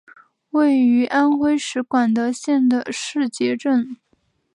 位于安徽省广德县的誓节镇。